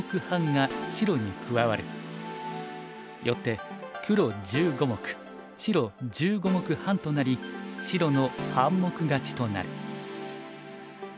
よって黒１５目白１５目半となり白の半目勝ちとなる。